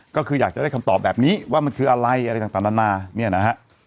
ก็คืออยากจะได้คำตอบแบบนี้ว่ามันคืออะไรอะไรต่างนานาเนี่ยนะฮะ